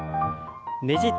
ねじって。